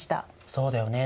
そうだよね。